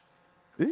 えっ？